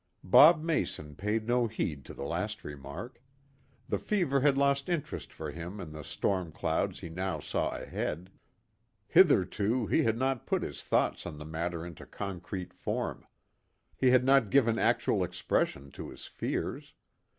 Bob Mason paid no heed to the last remark. The fever had lost interest for him in the storm clouds he now saw ahead. Hitherto he had not put his thoughts on the matter into concrete form. He had not given actual expression to his fears.